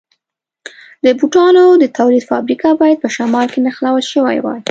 د بوټانو د تولید فابریکه باید په شمال کې نښلول شوې وای.